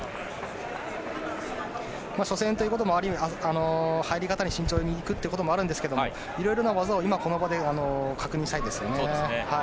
初戦ということもあり入り方も慎重に行くということもあるんですけど色々な技を今ここで確認したいんですね。